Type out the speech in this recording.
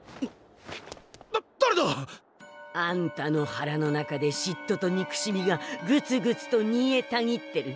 だだれだ！？あんたの腹の中でしっととにくしみがグツグツとにえたぎってる。